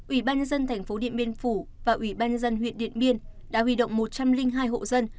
ủy ban nhân dân thành phố điện biên phủ và ủy ban dân huyện điện biên đã huy động một trăm linh hai hộ dân